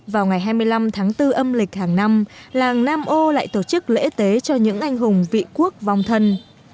vào ngày hai mươi năm tháng bốn âm lịch hàng năm làng nam ô lại tổ chức lễ tế cho những anh hùng vị quốc vong thân